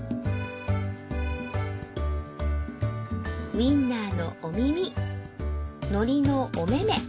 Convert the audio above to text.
ウインナーのお耳海苔のおめめ